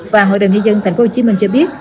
và hội đồng nhân dân tp hcm cho biết